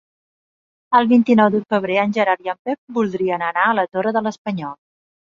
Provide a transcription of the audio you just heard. El vint-i-nou de febrer en Gerard i en Pep voldrien anar a la Torre de l'Espanyol.